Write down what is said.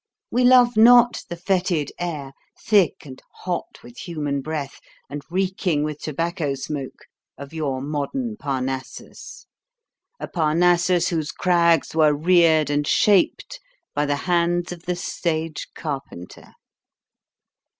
We love not the fetid air, thick and hot with human breath, and reeking with tobacco smoke, of your modern Parnassus a Parnassus whose crags were reared and shaped by the hands of the stage carpenter!